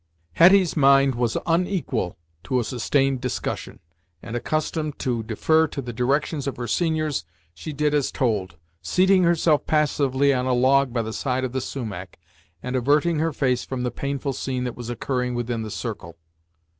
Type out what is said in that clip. Hetty's mind was unequal to a sustained discussion, and accustomed to defer to the directions of her seniors she did as told, seating herself passively on a log by the side of the Sumach, and averting her face from the painful scene that was occurring within the circle.